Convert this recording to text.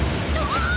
あっ。